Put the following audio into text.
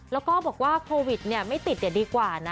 แล้วก็บอกว่าโควิดไม่ติดดีกว่านะ